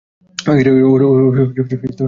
ওহ, লুকিয়ে রেখেছি।